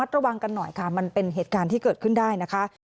ผมถามเขาแล้วครับเขาบอกว่า